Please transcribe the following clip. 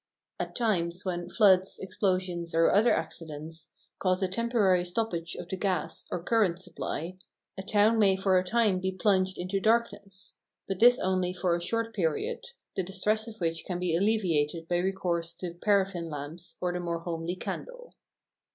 At times, when floods, explosions, or other accidents cause a temporary stoppage of the gas or current supply, a town may for a time be plunged into darkness; but this only for a short period, the distress of which can be alleviated by recourse to paraffin lamps, or the more homely candle.